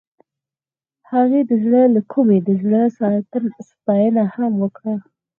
هغې د زړه له کومې د زړه ستاینه هم وکړه.